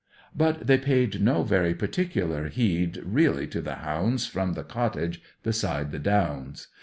But they paid no very particular heed really to the hounds from the cottage beside the Downs.